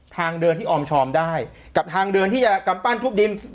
ทางเดินที่ออมชอมได้กับทางเดินที่จะกำปั้นทุบดิน